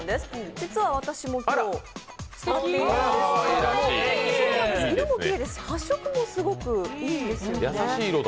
実は私も今日、塗ってみたんですけれども、色もきれいだし、発色もすごくいいんですよね。